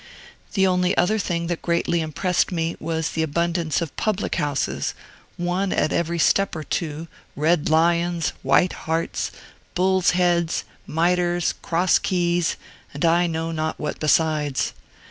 The only other thing that greatly impressed me was the abundance of public houses, one at every step or two Red Lions, White Harts, Bulls' Heads, Mitres, Cross Keys, and I know not what besides.